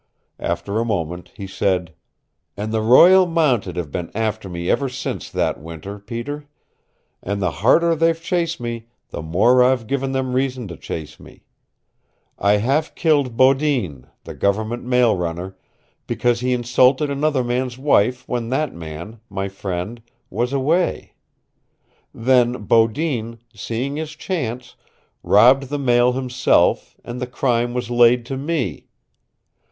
After a moment he said, "And the Royal Mounted have been after me ever since that winter, Peter. And the harder they've chased me the more I've given them reason to chase me. I half killed Beaudin, the Government mail runner, because he insulted another man's wife when that man my friend was away. Then Beaudin, seeing his chance, robbed the mail himself, and the crime was laid to me.